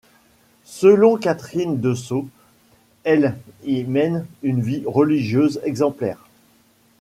Selon Catherine de Saulx, elle y mène une vie religieuse exemplaire.